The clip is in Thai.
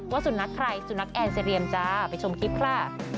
ว่าสุดนักใครสุดนักแอนสิเรียมจ๊ะไปชมคลิปค่ะ